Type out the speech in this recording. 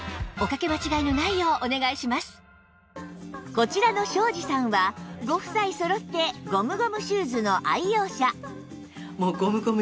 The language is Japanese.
こちらの庄子さんはご夫妻そろってゴムゴムシューズの愛用者